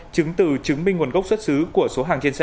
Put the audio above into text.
chứng từ chứng minh nguồn gốc xuất xứ của số hàng trên xe